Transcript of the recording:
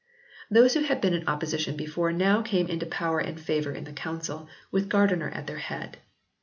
Those who had been in opposition before, now came into power and favour in the Council with Gardiner at their head.